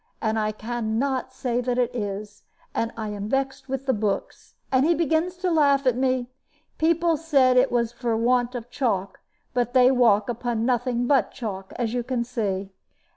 and I can not say that it is; and I am vexed with the books, and he begins to laugh at me. People said it was for want of chalk, but they walk upon nothing but chalk, as you can see."